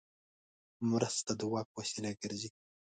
مرسته د واک وسیله ګرځي.